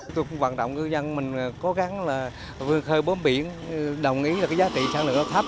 tôi cũng hoạt động ngư dân mình cố gắng vươi khơi bóm biển đồng ý là giá trị sản lượng nó thấp